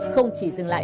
không chỉ dừng lại